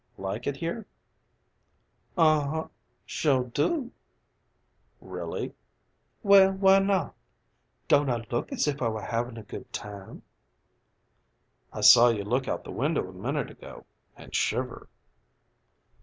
"Like it here?" "Uh huh. Sure do!" "Really?" "Well, why not? Don't I look as if I were havin' a good time?" "I saw you look out the window a minute ago and shiver."